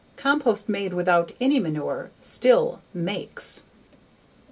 Compost made without any manure still "makes!"